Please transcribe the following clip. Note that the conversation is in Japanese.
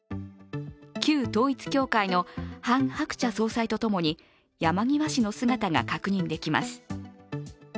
旧統一教会のハン・ハクチャ総裁とともに山際氏の姿が確認できます。